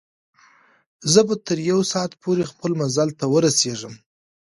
زه به تر یو ساعت پورې خپل منزل ته ورسېږم.